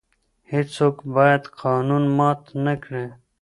هیڅوک باید قانون مات نه کړي.